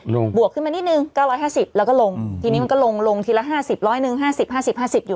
ลงบวกขึ้นมานิดหนึ่งเก้าร้อยห้าสิบแล้วก็ลงอืมทีนี้มันก็ลงลงทีละห้าสิบร้อยหนึ่งห้าสิบห้าสิบห้าสิบอยู่